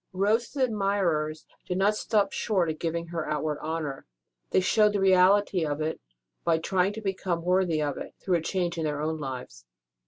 Rose s admirers did not stop short at giving her outward honour ; they showed the reality of it by trying to become worthy of having had her in their midst through a change in their own lives.